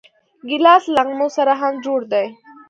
ګیلاس له نغمو سره هم جوړ دی.